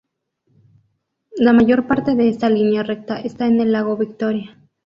La mayor parte de esta línea recta está en el lago Victoria.